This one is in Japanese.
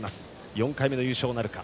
４回目の優勝なるか。